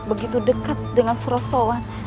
tampak begitu dekat dengan surasawan